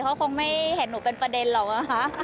เขาคงไม่เห็นหนูเป็นประเด็นหรอกนะคะ